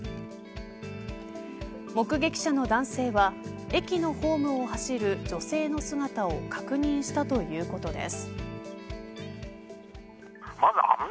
目撃者の男性は駅のホームを走る女性の姿を確認したということです。